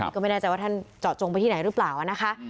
ก็ไม่แน่ใจว่าท่านเจาะจงไปที่ไหนหรือเปล่านะคะ